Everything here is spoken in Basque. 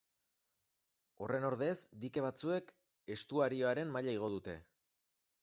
Horren ordez, dike batzuek estuarioaren maila igo dute.